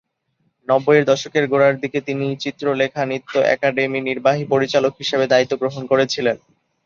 নব্বইয়ের দশকের গোড়ার দিকে, তিনি চিত্রলেখা নৃত্য একাডেমির নির্বাহী পরিচালক হিসাবে দায়িত্ব গ্রহণ করেছিলেন।